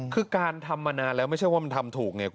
คือการทำมานานแล้วไม่ว่าทำถูก